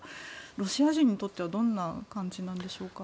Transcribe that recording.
ロシア人にとってはどんな感じなんでしょうか。